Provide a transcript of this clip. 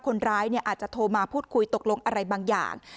คนร้ายอาจจะโทรมาพูดคุยตกลงอะไรบางอย่าง